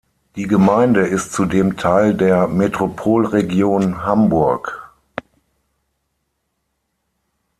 Die Gemeinde ist zudem Teil der Metropolregion Hamburg.